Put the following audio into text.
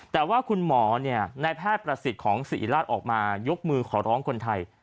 แต่ว่าคุณหมอในแพทย์ประสิทธิ์ของศิริราชออกมายกมือขอร้องคนไทย